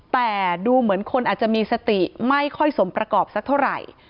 แต่ดูเหมือนคนอาจจะมีสติไม่ค่อยสมประกอบสักเท่าไหร่